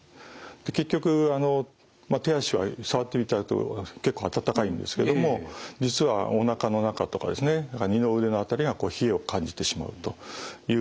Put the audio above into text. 結局手足は触ってみると結構温かいんですけども実はおなかの中とかですね二の腕の辺りが冷えを感じてしまうという。